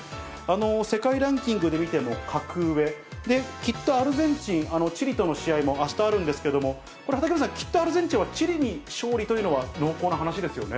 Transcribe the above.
世界ランキングで見ても格上、きっとアルゼンチン、チリとの試合もあしたあるんですけれども、これ、畠山さん、きっとアルゼンチンはチリに勝利というのは濃厚な話ですよね。